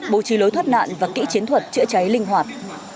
bố trí lối thoát nạn và kỹ chiến thuật chữa cháy linh hoạt